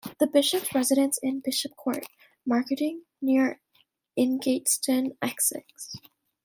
The bishop's residence is Bishopscourt, Margaretting, near Ingatestone, Essex.